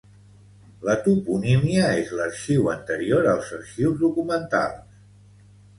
La toponímia és l'arxiu anterior als arxius documentals.